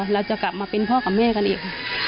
เราจะกลับมาเป็นพ่อกับแม่กันอีก